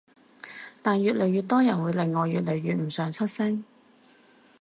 但越嚟越多人會令我越嚟越唔想出聲